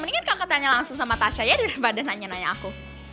mendingan kakak tanya langsung sama tasha ya daripada nanya nanya aku